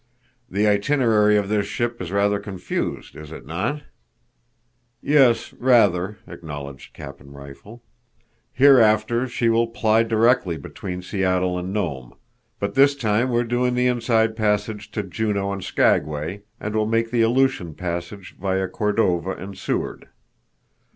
"The itinerary of this ship is rather confused, is it not?" "Yes—rather," acknowledged Captain Rifle. "Hereafter she will ply directly between Seattle and Nome. But this time we're doing the Inside Passage to Juneau and Skagway and will make the Aleutian Passage via Cordova and Seward.